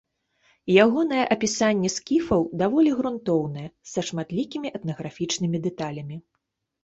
Ягонае апісанне скіфаў даволі грунтоўнае, са шматлікімі этнаграфічнымі дэталямі.